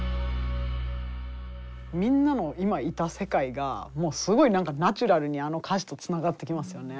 みんなの今いた世界がすごいナチュラルにあの歌詞とつながってきますよね。